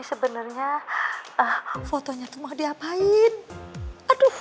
ini sebenernya fotonya tuh mau diapain aduh